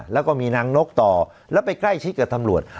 แล้วก็มีนางนกต่อแล้วไปใกล้ชิดกับตำรวจ